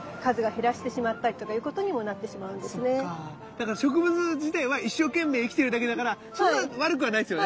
だから植物自体は一生懸命生きてるだけだからそんな悪くはないんですよね？